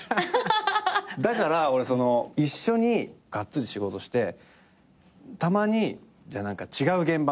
だから俺一緒にがっつり仕事してたまに違う現場の話とか。